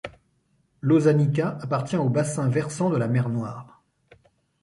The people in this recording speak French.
L'Osanica appartient au bassin versant de la mer Noire.